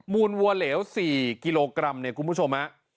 วัวเหลว๔กิโลกรัมเนี่ยคุณผู้ชมฮะ